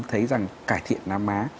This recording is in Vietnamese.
thấy rằng cải thiện nám má